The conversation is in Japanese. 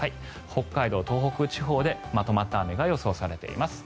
北海道、東北地方でまとまった雨が予想されています。